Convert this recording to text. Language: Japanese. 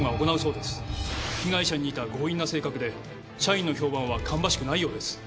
被害者に似た強引な性格で社員の評判は芳しくないようです。